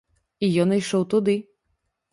І ён ішоў туды.